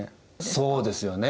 そうですよね。